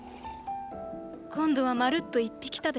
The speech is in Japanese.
今度はまるっと一匹食べた。